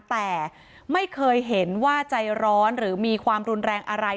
แต่ไม่เคยเห็นว่าใจร้อนหรือมีความรุนแรงอะไร